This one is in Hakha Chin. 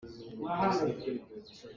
Kan kawm an cang cang.